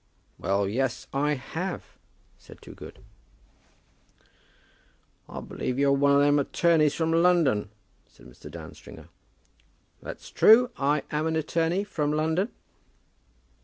"Well, yes; I have," said Toogood. "I believe you're one of them attorneys from London?" said Mr. Dan Stringer. "That's true. I am an attorney from London."